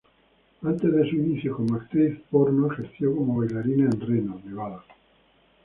Antes de su inicio como actriz porno ejerció como bailarina en Reno, Nevada.